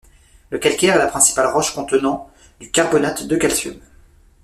Le calcaire est la principale roche contenant du carbonate de calcium.